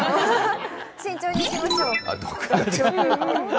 慎重にいきましょう。